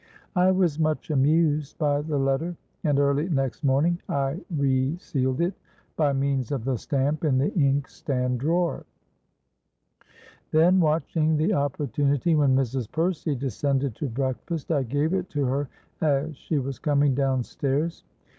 I was much amused by the letter, and early next morning I re sealed it by means of the stamp in the ink stand drawer: then, watching the opportunity when Mrs. Percy descended to breakfast, I gave it to her as she was coming down stairs.